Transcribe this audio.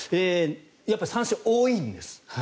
やっぱり三振が多いんです。